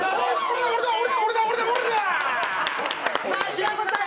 平子さん！